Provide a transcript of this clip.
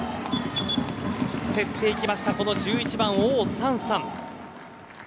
競っていきました１１番、オウ・サンサン。